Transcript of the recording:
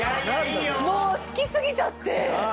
もう好き過ぎちゃって。